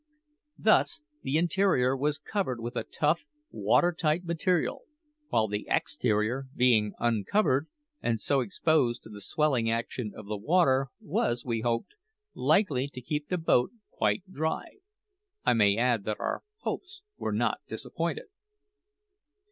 Thus the interior was covered with a tough, water tight material; while the exterior, being uncovered, and so exposed to the swelling action of the water, was, we hoped, likely to keep the boat quite dry. I may add that our hopes were not disappointed.